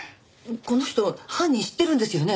この人犯人知ってるんですよね？